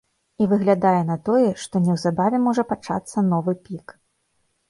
І выглядае на тое, што неўзабаве можа пачацца новы пік.